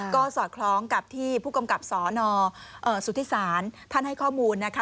ก็สอดคล้องกับที่ผู้กำกับสนสุธิศาลท่านให้ข้อมูลนะคะ